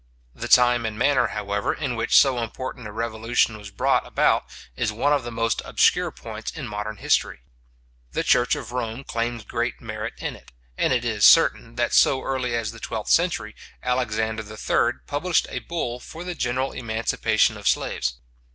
The time and manner, however, in which so important a revolution was brought about, is one of the most obscure points in modern history. The church of Rome claims great merit in it; and it is certain, that so early as the twelfth century, Alexander III. published a bull for the general emancipation of slaves.